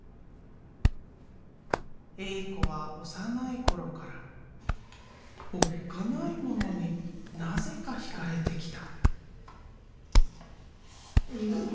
エイ子は幼い頃からおっかないものになぜか惹かれてきた。